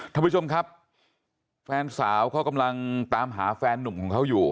ท่านผู้ชมครับแฟนสาวเขากำลังตามหาแฟนนุ่มของเขาอยู่